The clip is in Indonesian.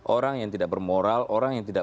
orang yang tidak bermoral orang yang tidak